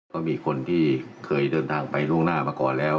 ก็มีคนที่เคยเดินทางไปล่วงหน้ามาก่อนแล้ว